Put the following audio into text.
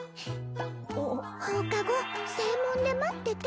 放課後正門で待ってて。